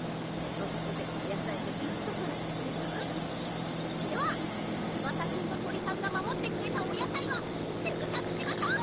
おかげで野菜がちゃんと育ってくれたわではツバサくんの鳥さんが守ってくれたお野菜を収穫しましょう！